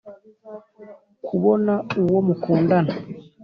kubona uwo mukundana.